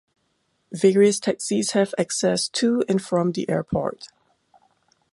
Various taxis have access to and from the airport.